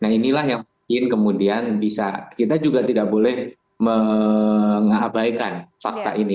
nah inilah yang mungkin kemudian bisa kita juga tidak boleh mengabaikan fakta ini